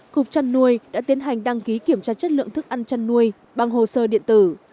cục trăn nuôi đã tiến hành đăng ký kiểm tra chất lượng thức ăn chăn nuôi bằng hồ sơ điện tử